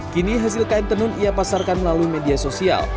kini hasil kain tenun ia pasarkan melalui media sosial